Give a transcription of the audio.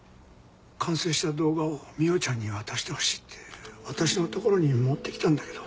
完成した動画を海音ちゃんに渡してほしいって私の所に持って来たんだけど。